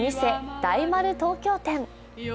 大丸東京店。